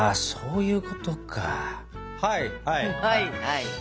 はいはいはい。